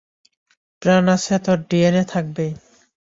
প্রাণ আছে তো ডিএনএ থাকবেই!